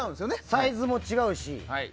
サイズも違うし。